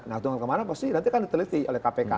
nah hitungan kemana pasti nanti kan diteliti oleh kpk